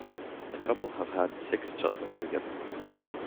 The couple have had six children together.